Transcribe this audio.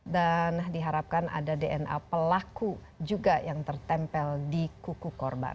dan diharapkan ada dna pelaku juga yang tertempel di kuku korban